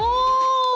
お！